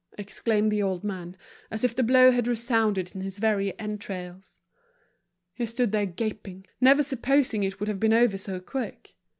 exclaimed the old man, as if the blow had resounded in his very entrails. He stood there gaping, never supposing it would have been over so quick.